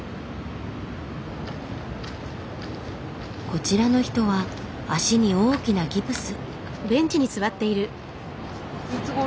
こちらの人は脚に大きなギプス。